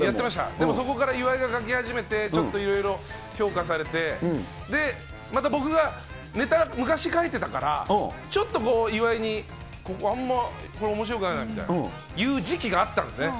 でもそこから岩井が書き始めていろいろ評価され始めて、また僕が、ネタ、昔書いてたから、ちょっと岩井にここあんま、おもしろくないなって言う時期があったんですね。